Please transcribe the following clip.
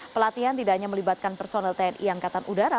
pelatihan tidak hanya melibatkan personel tni angkatan udara